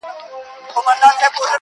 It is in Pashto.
ما به د سترگو کټوري کي نه ساتلې اوبه_